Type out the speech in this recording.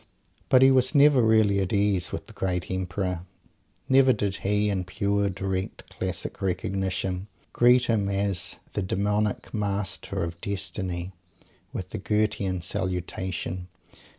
But he was never really at ease with the great Emperor. Never did he in pure, direct, classic recognition greet him as "the Demonic Master of Destiny," with the Goethean salutation!